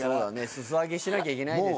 裾上げしなきゃいけないですし。